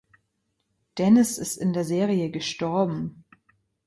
Dennis ist in der Serie gestorben.